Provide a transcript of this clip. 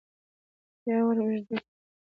بيا وراوږدې کړه